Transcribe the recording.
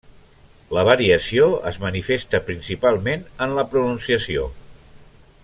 La variació es manifesta principalment en la pronunciació.